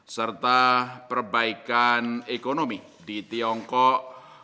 serta perbaikan ekonomi di tiongkok